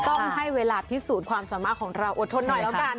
ต้องให้เวลาพิสูจน์ความสามารถของเราอดทนหน่อยแล้วกัน